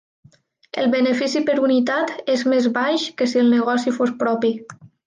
El benefici per unitat és més baix que si el negoci fos propi.